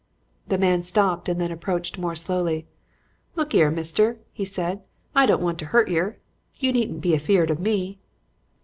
"The man stopped and then approached more slowly. 'Look 'ere, mister,' said he, 'I don't want to hurt yer. You needn't be afeared of me.'